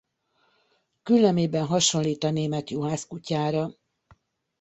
Küllemében hasonlít a német juhászkutyára.